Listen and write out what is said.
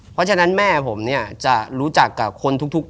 เพราะฉะนั้นแม่ผมเนี่ยจะรู้จักกับคนทุกคน